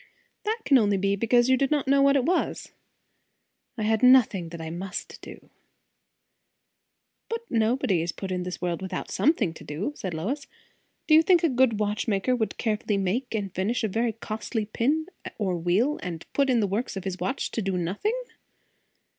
"That can be only because you did not know what it was." "I had nothing that I must do." "But nobody is put in this world without some thing to do," said Lois. "Do you think a good watchmaker would carefully make and finish a very costly pin or wheel, and put it in the works of his watch to do nothing?"